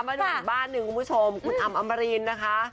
มาดูอีกบ้านหนึ่งคุณผู้ชมคุณอำมารินนะคะ